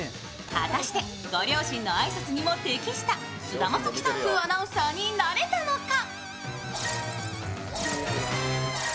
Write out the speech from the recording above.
果たしてご両親の挨拶にも適した菅田将暉さん風アナウンサーになれたのか？